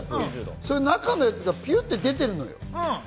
それ中のやつがピュッと出てるのよ。